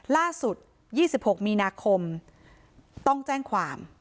ล่าสุด๒๖มีนาคมต้องแจ้งความ